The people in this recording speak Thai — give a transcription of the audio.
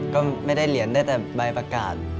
ก็ไม่ได้เหรียญได้แต่ใบประกาศ